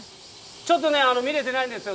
ちょっと見れてないんですよ。